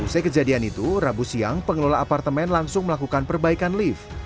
usai kejadian itu rabu siang pengelola apartemen langsung melakukan perbaikan lift